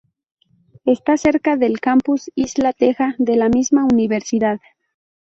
Está cerca del "Campus Isla Teja," de la misma Universidad.